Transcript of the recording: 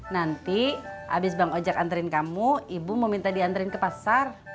nanti abis bang ojek anterin kamu ibu mau minta diantarin ke pasar